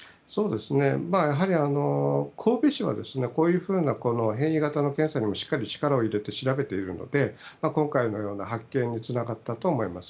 やはり神戸市はこういうふうな変異型の検査にもしっかり力を入れて調べているので今回のような発見につながったと思います。